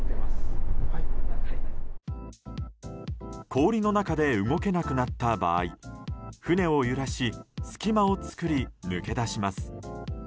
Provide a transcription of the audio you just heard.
氷の中で動けなくなった場合船を揺らし隙間を作り抜け出します。